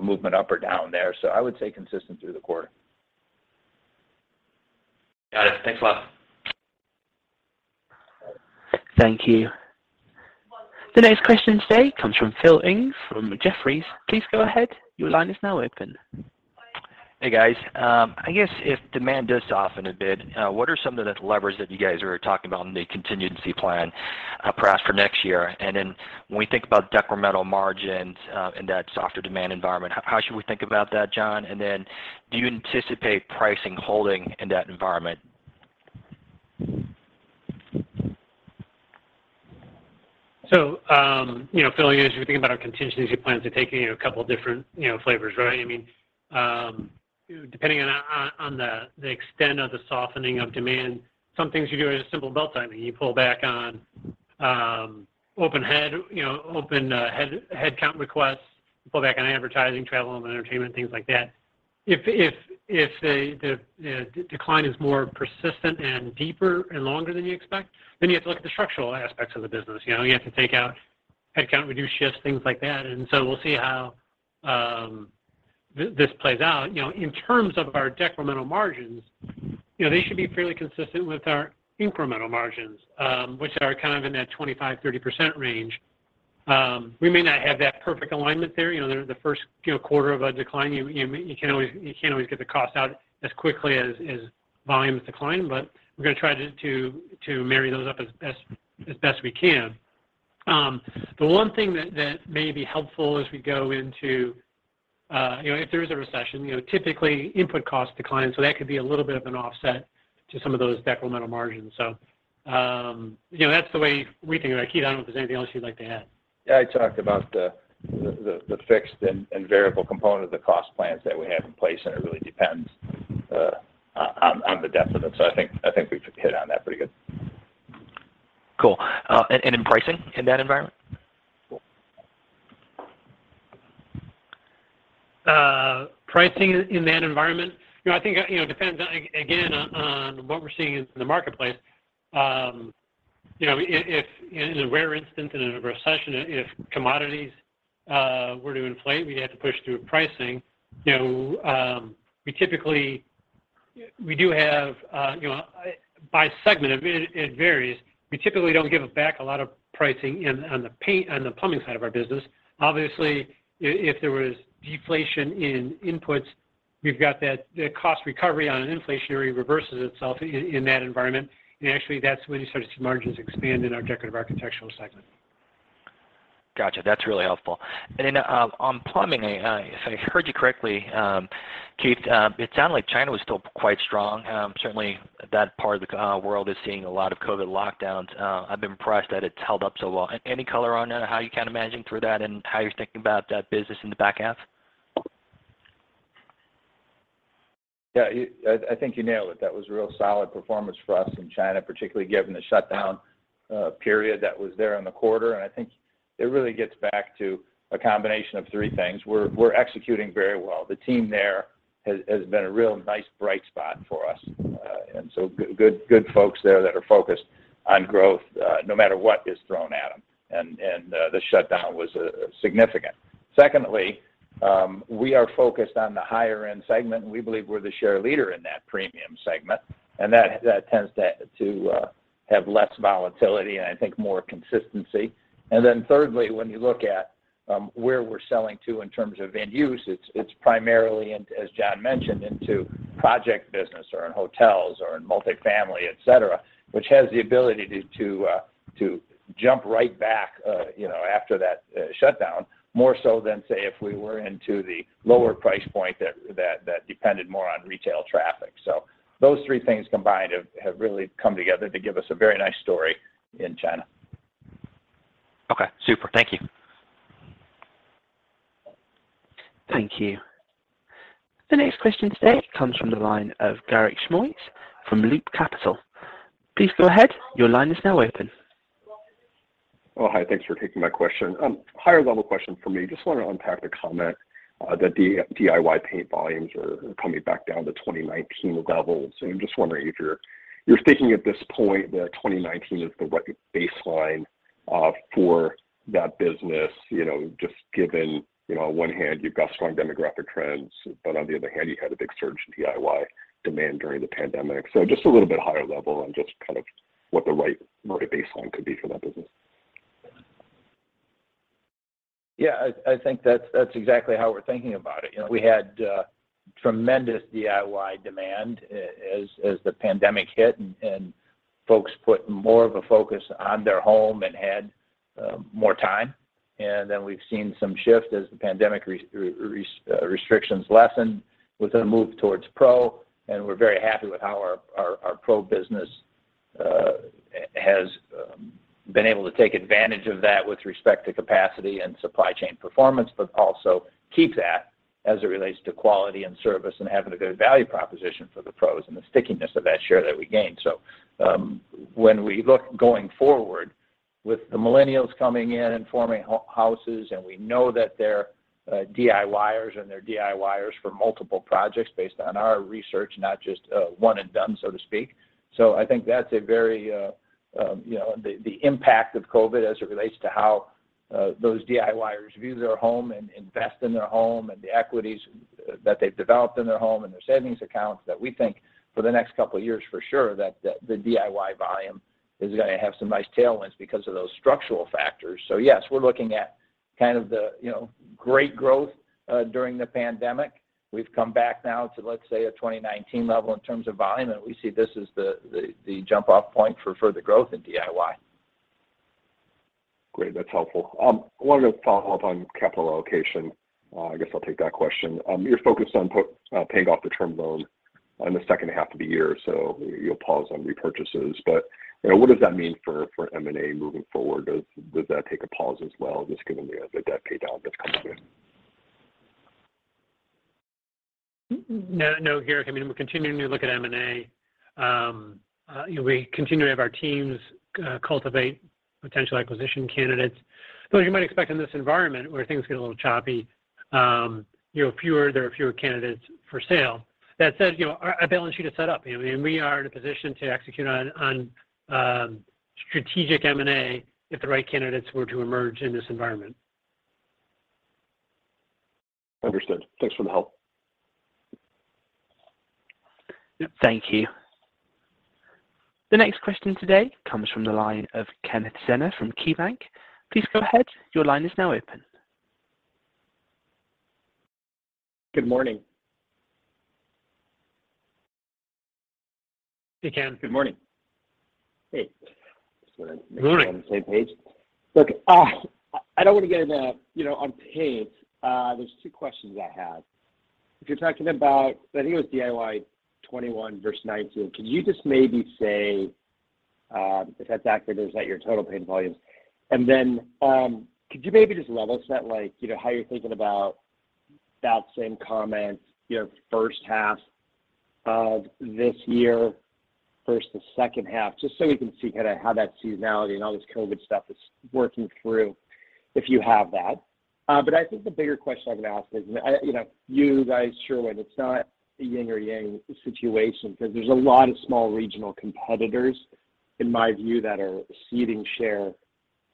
movement up or down there. I would say consistent through the quarter. Got it. Thanks a lot. Thank you. The next question today comes from Philip Ng from Jefferies. Please go ahead. Your line is now open. Hey, guys. I guess if demand does soften a bit, what are some of the levers that you guys are talking about in the contingency plan, perhaps for next year? When we think about decremental margins, in that softer demand environment, how should we think about that, John? Do you anticipate pricing holding in that environment? You know, Phil, as you think about our contingency plans, they take in a couple of different, you know, flavors, right? I mean, depending on the extent of the softening of demand, some things you do is simple belt tightening. You pull back on open headcount requests. You pull back on advertising, travel, and entertainment, things like that. If the decline is more persistent and deeper and longer than you expect, then you have to look at the structural aspects of the business. You know, you have to take out headcount, reduce shifts, things like that. We'll see how this plays out. You know, in terms of our decremental margins, you know, they should be fairly consistent with our incremental margins, which are kind of in that 25% to30% range. We may not have that perfect alignment there. You know, the first quarter of a decline, you can't always get the cost out as quickly as volumes decline, but we're gonna try to marry those up as best we can. The one thing that may be helpful as we go into, you know, if there is a recession, you know, typically input costs decline, so that could be a little bit of an offset to some of those decremental margins. You know, that's the way we think about it. Keith, I don't know if there's anything else you'd like to add. Yeah, I talked about the fixed and variable component of the cost plans that we have in place, and it really depends on the demand. I think we hit on that pretty good. Cool. In pricing in that environment? Pricing in that environment, you know, I think, you know, it depends again on what we're seeing in the marketplace. You know, if in the rare instance in a recession, if commodities were to inflate, we'd have to push through pricing. You know, we do have, you know, by segment it varies. We typically don't give back a lot of pricing in on the paint and the plumbing side of our business. Obviously, if there was deflation in inputs, we've got that, the cost recovery on an inflationary reverses itself in that environment. Actually that's when you start to see margins expand in our Decorative Architectural segment. Gotcha. That's really helpful. On plumbing, if I heard you correctly, Keith, it sounded like China was still quite strong. Certainly that part of the world is seeing a lot of COVID lockdowns. I've been impressed that it's held up so well. Any color on how you're kind of managing through that and how you're thinking about that business in the back half? Yeah, I think you nailed it. That was real solid performance for us in China, particularly given the shutdown period that was there in the quarter. I think it really gets back to a combination of three things. We're executing very well. The team there has been a real nice bright spot for us. Good folks there that are focused on growth, no matter what is thrown at them. The shutdown was significant. Secondly, we are focused on the higher end segment, and we believe we're the share leader in that premium segment. That tends to have less volatility and I think more consistency. Thirdly, when you look at where we're selling to in terms of end use, it's primarily, and as John mentioned, into project business or in hotels or in multifamily, et cetera, which has the ability to jump right back, you know, after that shutdown, more so than, say, if we were into the lower price point that depended more on retail traffic. Those three things combined have really come together to give us a very nice story in China. Okay. Super. Thank you. Thank you. The next question today comes from the line of Garik Shmois from Loop Capital. Please go ahead. Your line is now open. Hi. Thanks for taking my question. Higher level question from me. Just want to unpack the comment that the DIY paint volumes are coming back down to 2019 levels. I'm just wondering if you're thinking at this point that 2019 is the right baseline for that business. You know, just given, you know, on one hand you've got strong demographic trends, but on the other hand, you had a big surge in DIY demand during the pandemic. Just a little bit higher level on just kind of what the right baseline could be for that business. Yeah, I think that's exactly how we're thinking about it. You know, we had tremendous DIY demand as the pandemic hit and folks put more of a focus on their home and had more time. We've seen some shift as the pandemic restrictions lessened with a move towards pro, and we're very happy with how our pro business has been able to take advantage of that with respect to capacity and supply chain performance. Also keep that as it relates to quality and service and having a good value proposition for the pros and the stickiness of that share that we gained. When we look going forward with the millennials coming in and forming houses, and we know that they're DIYers for multiple projects based on our research, not just one and done, so to speak. I think that's a very you know the impact of COVID as it relates to how those DIYers view their home and invest in their home, and the equity that they've developed in their home and their savings accounts, that we think for the next couple of years for sure that the DIY volume is gonna have some nice tailwinds because of those structural factors. Yes, we're looking at kind of the you know great growth during the pandemic. We've come back now to, let's say, a 2019 level in terms of volume, and we see this as the jump off point for further growth in DIY. Great. That's helpful. Wanted to follow up on capital allocation. I guess I'll take that question. You're focused on paying off the term loan. In the second half of the year, so you'll pause on repurchases. You know, what does that mean for M&A moving forward? Does that take a pause as well, just given the debt pay down that's coming in? No, no, here, I mean, we're continuing to look at M&A. You know, we continue to have our teams cultivate potential acquisition candidates. As you might expect in this environment where things get a little choppy, you know, there are fewer candidates for sale. That said, you know, our balance sheet is set up. I mean, we are in a position to execute on strategic M&A if the right candidates were to emerge in this environment. Understood. Thanks for the help. Thank you. The next question today comes from the line of Kenneth Zener from KeyBanc Capital Markets. Please go ahead. Your line is now open. Good morning. Hey, Ken. Good morning. Good morning. Make sure we're on the same page. Look, I don't want to get into, you know, on pace. There's two questions I have. If you're talking about, I think it was DIY 21 versus 19, could you just maybe say, if that's accurate, is that your total paid volumes? And then, could you maybe just level set like, you know, how you're thinking about that same comment, you know, first half of this year versus second half, just so we can see kind of how that seasonality and all this COVID stuff is working through, if you have that. I think the bigger question I'm gonna ask is, you know, are you sure it's not a yin or yang situation because there's a lot of small regional competitors, in my view, that are ceding share.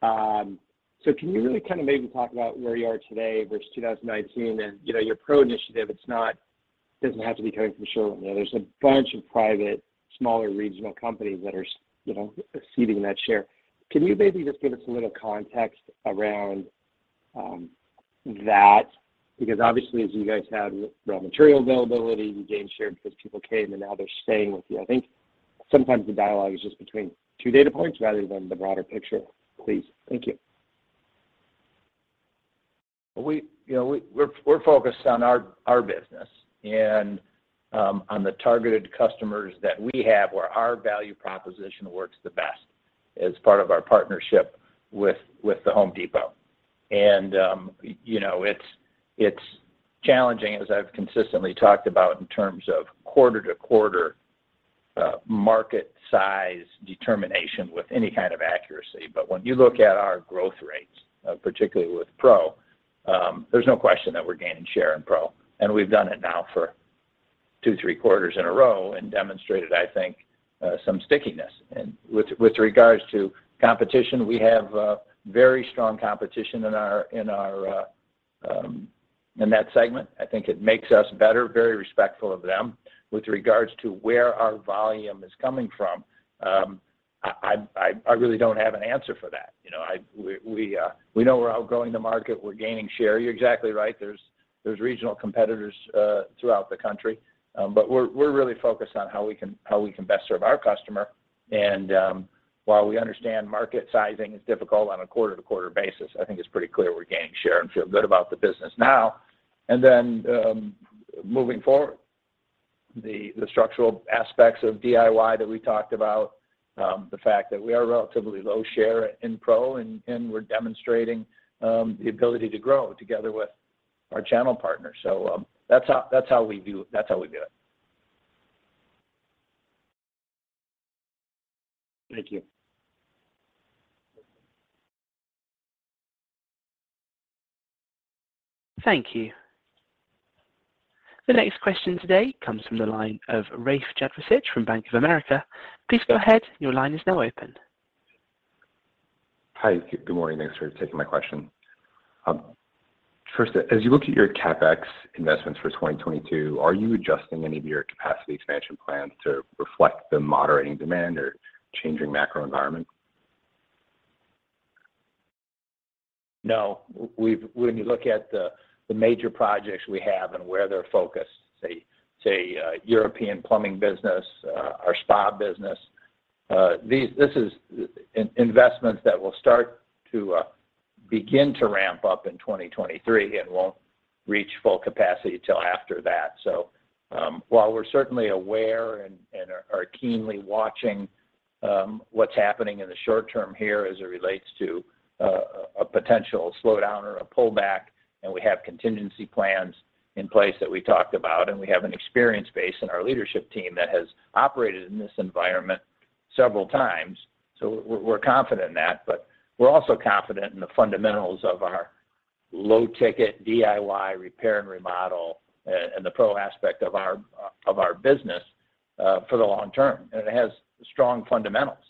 Can you really kind of maybe talk about where you are today versus 2019 and, you know, your Pro initiative, it doesn't have to be coming from Sherwin-Williams. You know, there's a bunch of private, smaller regional companies that are, you know, ceding that share. Can you maybe just give us a little context around that? Because obviously, as you guys had raw material availability, you gained share because people came, and now they're staying with you. I think sometimes the dialogue is just between two data points rather than the broader picture, please. Thank you. You know, we're focused on our business and on the targeted customers that we have where our value proposition works the best as part of our partnership with the Home Depot. You know, it's challenging, as I've consistently talked about in terms of quarter to quarter market size determination with any kind of accuracy. But when you look at our growth rates, particularly with Pro, there's no question that we're gaining share in Pro. We've done it now for two, three quarters in a row and demonstrated, I think, some stickiness. With regards to competition, we have very strong competition in our in that segment. I think it makes us better, very respectful of them. With regards to where our volume is coming from, I really don't have an answer for that. You know, we know we're outgrowing the market, we're gaining share. You're exactly right. There's regional competitors throughout the country. But we're really focused on how we can best serve our customer. While we understand market sizing is difficult on a quarter-to-quarter basis, I think it's pretty clear we're gaining share and feel good about the business now. Moving forward, the structural aspects of DIY that we talked about, the fact that we are relatively low share in Pro and we're demonstrating the ability to grow together with our channel partners. That's how we view it. Thank you. Thank you. The next question today comes from the line of Rafe Jadrosich from Bank of America. Please go ahead, your line is now open. Hi. Good morning. Thanks for taking my question. First, as you look at your CapEx investments for 2022, are you adjusting any of your capacity expansion plans to reflect the moderating demand or changing macro environment? No. We've—when you look at the major projects we have and where they're focused, say, European plumbing business, our spa business, these are investments that will start to begin to ramp up in 2023 and won't reach full capacity till after that. While we're certainly aware and are keenly watching what's happening in the short term here as it relates to a potential slowdown or a pullback, and we have contingency plans in place that we talked about, and we have an experience base in our leadership team that has operated in this environment several times. We're confident in that, but we're also confident in the fundamentals of our low-ticket DIY repair and remodel and the pro aspect of our business for the long term. It has strong fundamentals,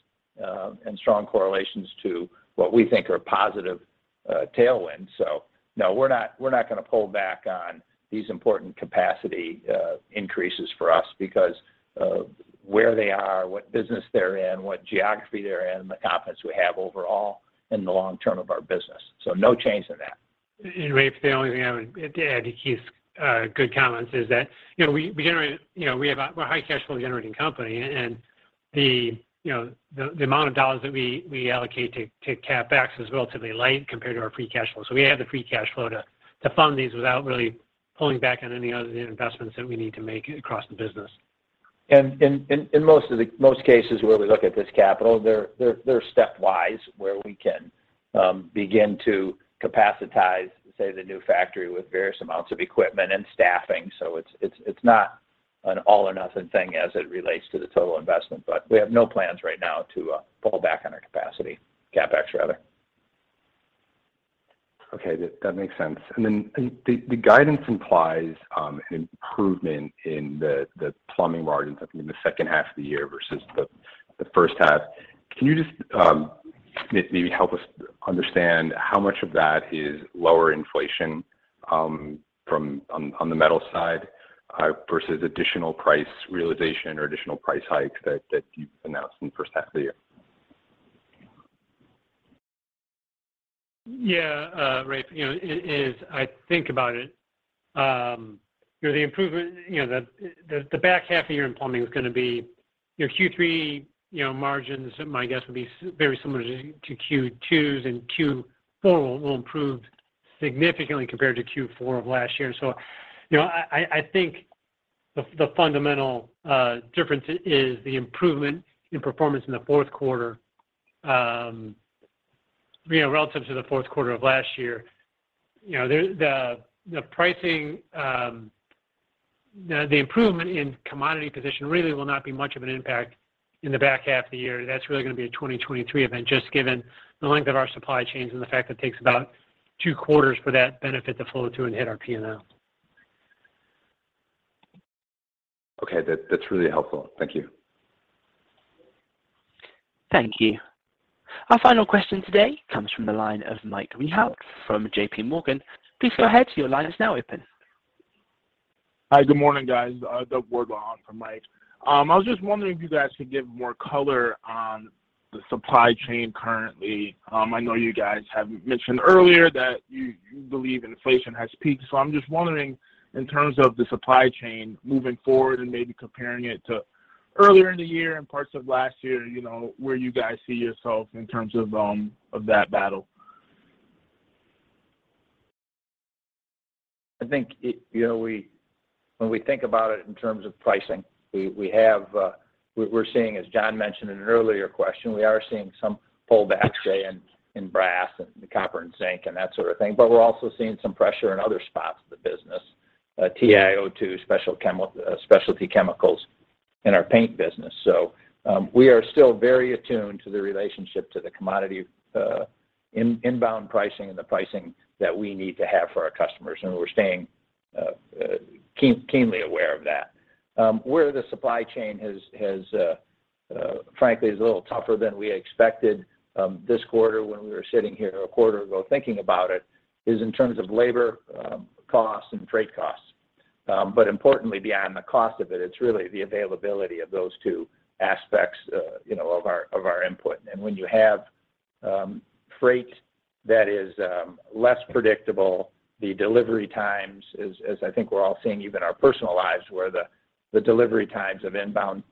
and strong correlations to what we think are positive tailwinds. No, we're not going to pull back on these important capacity increases for us because of where they are, what business they're in, what geography they're in, the confidence we have overall in the long term of our business. No change to that. Rafe, the only thing I would add to Keith's good comments is that, you know, we generate, you know, we're a high cash flow generating company, and the, you know, the amount of dollars that we allocate to CapEx is relatively light compared to our free cash flow. We have the free cash flow to fund these without really pulling back on any other investments that we need to make across the business. Most cases where we look at this capital, they're stepwise, where we can begin to capacitize, say the new factory with various amounts of equipment and staffing. It's not an all or nothing thing as it relates to the total investment. We have no plans right now to fall back on our capacity, CapEx rather. Okay. That makes sense. Then the guidance implies an improvement in the plumbing margins, I think in the second half of the year versus the first half. Can you just maybe help us understand how much of that is lower inflation from the metal side versus additional price realization or additional price hikes that you've announced in the first half of the year? Yeah. Rafe, you know, it is. I think about it, you know, the improvement, you know, the back half of the year in plumbing is gonna be, you know, third quarter, you know, margins. My guess would be very similar to second quarter's, and fourth quarter will improve significantly compared to fourth quarter of last year. You know, I think the fundamental difference is the improvement in performance in the fourth quarter, you know, relative to the fourth quarter of last year. You know, the pricing, the improvement in commodity position really will not be much of an impact in the back half of the year. That's really gonna be a 2023 event, just given the length of our supply chains and the fact that it takes about two quarters for that benefit to flow through and hit our P&L. Okay. That's really helpful. Thank you. Thank you. Our final question today comes from the line of Michael Rehaut from JP Morgan. Please go ahead. Your line is now open. Hi. Good morning, guys. The... I think. You know, when we think about it in terms of pricing, we have, we're seeing, as John mentioned in an earlier question, we are seeing some pullbacks, say, in brass and the copper and zinc and that sort of thing, but we're also seeing some pressure in other spots of the business, TiO2 specialty chemicals in our paint business. We are still very attuned to the relationship to the commodity, inbound pricing and the pricing that we need to have for our customers, and we're staying keenly aware of that. Where the supply chain has frankly is a little tougher than we had expected this quarter when we were sitting here a quarter ago thinking about it, is in terms of labor costs and freight costs. Importantly, beyond the cost of it's really the availability of those two aspects, you know, of our input. When you have freight that is less predictable, the delivery times, as I think we're all seeing even our personal lives, where the delivery times of inbound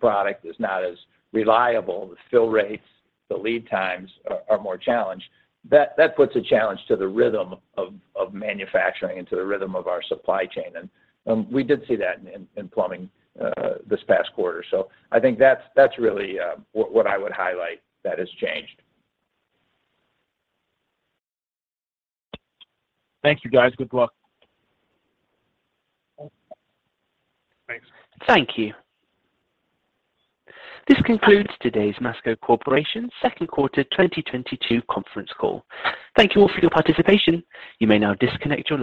product is not as reliable, the fill rates, the lead times are more challenged. That puts a challenge to the rhythm of manufacturing and to the rhythm of our supply chain. We did see that in plumbing this past quarter. I think that's really what I would highlight that has changed. Thank you, guys. Good luck. Thanks. Thank you. This concludes today's Masco Corporation Second Quarter 2022 conference call. Thank you all for your participation. You may now disconnect your lines.